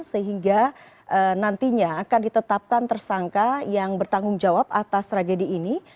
sehingga nantinya akan ditetapkan tersangka yang bertanggung jawab atas tragedi ini